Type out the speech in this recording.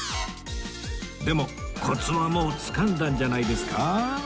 でもコツはもうつかんだんじゃないですか？